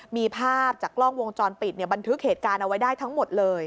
มีภาพจากกล้องวงจรปิดบันทึกเหตุการณ์เอาไว้ได้ทั้งหมดเลย